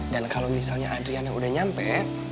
dan kalau misalnya adriana udah nyampe